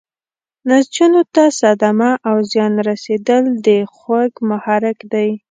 نسجونو ته صدمه او زیان رسیدل د خوږ محرک دی.